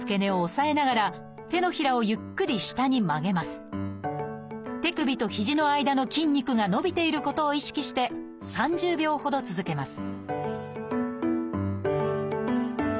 そして反対の手で手首と肘の間の筋肉が伸びていることを意識して３０秒ほど続けます